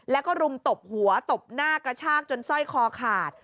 แล้วก็รุมตบหัวตบหน้ากระชากจนสร้อยคอขาด